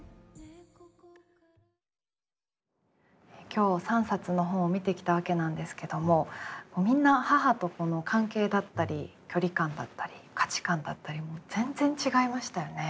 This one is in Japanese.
今日３冊の本を見てきたわけなんですけどもみんな母と子の関係だったり距離感だったり価値観だったりも全然違いましたよね。